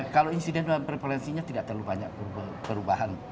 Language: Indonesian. kalau insiden dan preferensinya tidak terlalu banyak perubahan